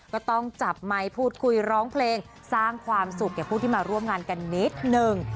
ก็ต้องจับไมค์พูดคุยร้องเพลงสร้างความสุขแก่ผู้ที่มาร่วมงานกันนิดหนึ่ง